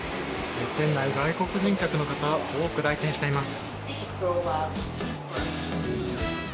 店内、外国人客の方多く来店しています。